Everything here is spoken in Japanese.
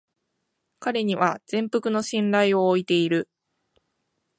彼には全幅の信頼を置いている